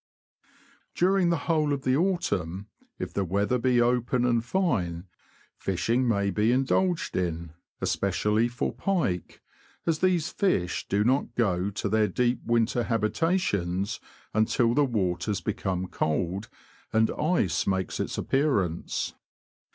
During the whole of the autumn, if the weather be open and fine, fishing may be indulged in, especially for pike, as these fish do not go to their deep winter THE BROAD DISTRICT IN AUTUMN. 227 habitations until the waters become cold, and ice makes its appearance.